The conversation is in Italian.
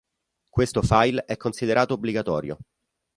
Questo file è considerato obbligatorio.